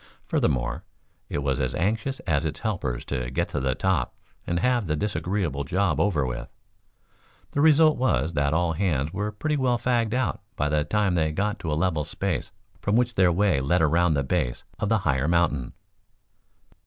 Furthermore, it was as anxious as its helpers to get to the top and have the disagreeable job over with. The result was that all hands were pretty well fagged out by the time they got to a level space from which their way led around the base of the higher mountain.